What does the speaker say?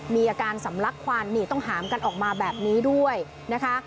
มีอาการสำลักควันนี่ต้องหามกันออกมาแบบนี้ด้วยนะคะ